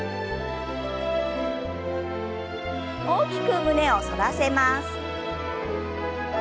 大きく胸を反らせます。